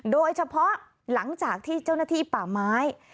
โดยเฉพาะหลังจากที่เจ้าหน้าที่ป่าไม้